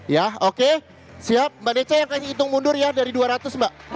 ya oke siap mbak dece yang kayaknya hitung mundur ya dari dua ratus mbak